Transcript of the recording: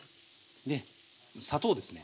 砂糖ですね。